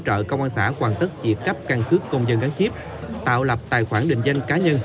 hỗ trợ công an xã hoàn tất dịp cấp căn cứ công dân gắn chiếp tạo lập tài khoản định danh cá nhân